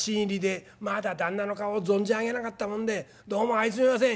まだ旦那の顔存じ上げなかったもんでどうも相すいません。